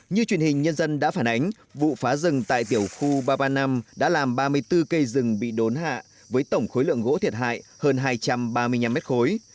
như truyền hình nhân dân đã phản ánh vụ phá rừng tại tiểu khu ba trăm ba mươi năm đã làm ba mươi bốn cây rừng bị đốn hạ với tổng khối lượng gỗ thiệt hại hơn hai trăm ba mươi năm mét khối